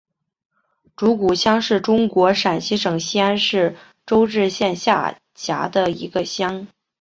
竹峪乡是中国陕西省西安市周至县下辖的一个乡。